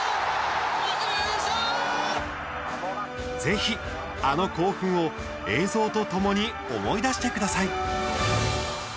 ぜひ、あの興奮を映像とともに思い出してください。